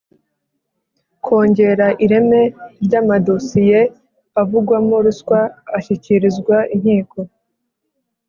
Kongera ireme ry amadosiye avugwamo ruswa ashyikirizwa inkiko